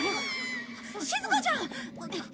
しずかちゃん！